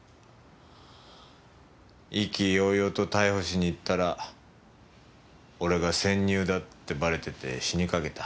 意気揚々と逮捕しに行ったら俺が潜入だってバレてて死にかけた。